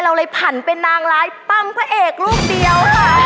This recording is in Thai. เราเลยถันมาเป็นนางร้ายปั้มเพเหกลูกเดียว